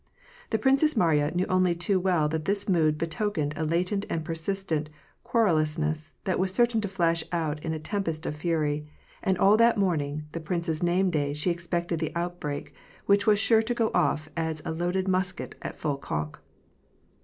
The Princess Mariya knew only too well that this mood betokened a latent and persistent querulousness, that was certain to flash out into a tempest of fuiT, and all that morn ing of the prince's name day she expected the outbreak, which was as sure to go off as a loaded musket at full cock.